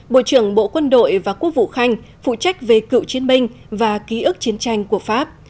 bộ trưởng bộ quân đội và quốc vụ khanh phụ trách về cựu chiến binh và ký ức chiến tranh của pháp